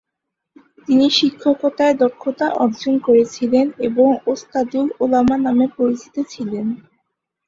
তিনি শিক্ষকতায় দক্ষতা অর্জন করেছিলেন এবং ওস্তাদুল ওলামা নামে পরিচিত ছিলেন।